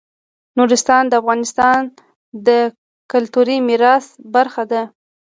نورستان د افغانستان د کلتوري میراث برخه ده.